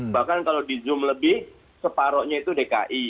bahkan kalau di zoom lebih separohnya itu dki